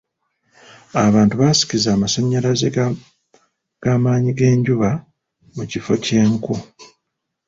Abantu baasikiza amasannyalaze g'amaanyi g'enjuba mu kifo ky'enku.